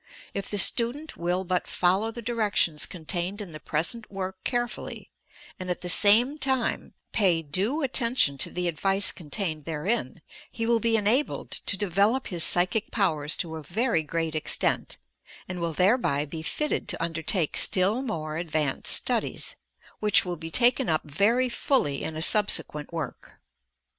If the student will but follow the directions contained in the present work carefully, and at the same time pay due 358 YOUR PSYCHIC POWERS attention to the advice contained therein, he will be enabled to develop his psychic powers to a very great extent, and will thereby be fitted to undertake still more advanced studies, which will be taken up very fully in a subsequent work.